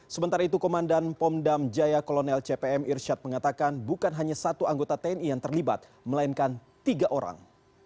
sementara itu komandan pom dam jaya kolonel cpm irsyad mengatakan bukan hanya satu anggota tni yang terlibat melainkan tiga orang